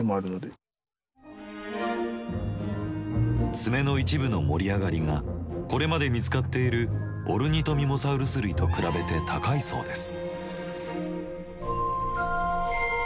爪の一部の盛り上がりがこれまで見つかっているオルニトミモサウルス類と比べて高いそうです。